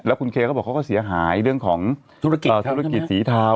แล้วคุณเคเขาบอกเขาก็เสียหายเรื่องของธุรกิจสีเทา